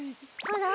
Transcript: あら？